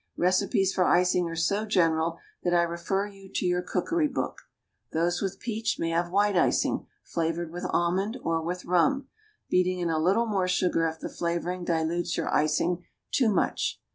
Recipes for icing are so general that I refer you to your cookery book. Those with peach may have white icing, flavored with almond, or with rum, beating in a little more sugar if the flavoring dilutes your icing too much.